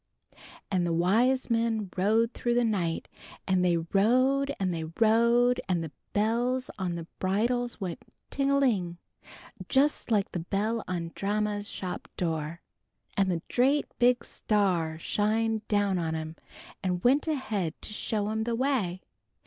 "An' the wise men rode through the night, an' they rode an' they rode, an' the bells on the bridles went ting a ling! just like the bell on Dranma's shop door. An' the drate big Star shined down on 'em and went ahead to show 'em the way.